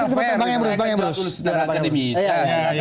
saya akan jauh jauh secara akademis